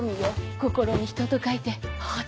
心に人と書いてハァト。